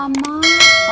kamu kepo ah